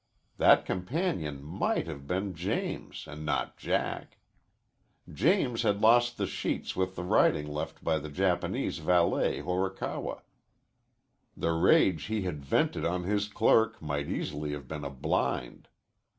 That companion might have been James and not Jack. James had lost the sheets with the writing left by the Japanese valet Horikawa. The rage he had vented on his clerk might easily have been a blind.